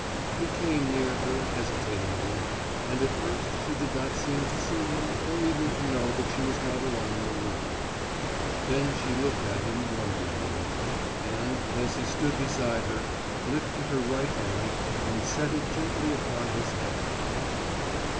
He came near her hesitatingly, and at first she did not seem to see him or even to know that she was not alone in the room. Then she looked at him wonderingly, and, as he stood beside her, lifted her right hand and set it gently upon his head.